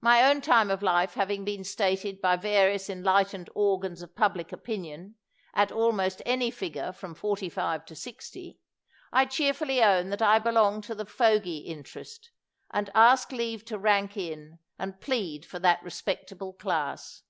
My own time of life having been stated by various enlightened organs of public opinion, at almost any figure from fortj^ five to sixty, I cheerfully own that I belong to the fogj' interest, and ask leave to rank in, and plead for that respectable class.